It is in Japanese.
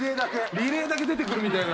リレーだけ出てくるみたいな。